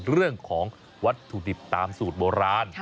เรื่องของวัตถุดิบตามสูตรโบราณ